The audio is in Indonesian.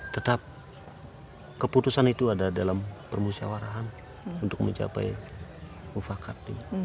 tetap keputusan itu ada dalam permusyawarahan untuk mencapai mufakat